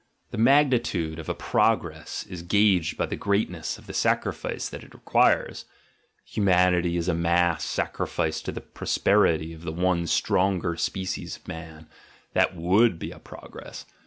The mag nitude of a "progress" is gauged by the greatness of the sacrifice that it requires: humanity as a mass sacrificed to the prosperity of the one stronger species of Man — that would be a. progress.